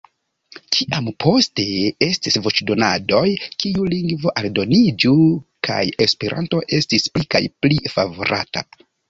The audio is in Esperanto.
Kiam poste estis voĉdonadoj, kiu lingvo aldoniĝu, kaj Esperanto estis pli kaj pli favorata...